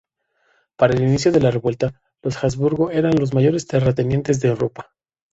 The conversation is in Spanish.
Para el inicio de la revuelta, los Habsburgo eran los mayores terratenientes de Europa.